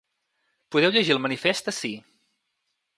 Podeu llegir el manifest ací.